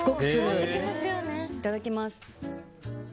いただきます。